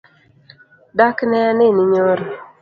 Dak ne aneni nyoro?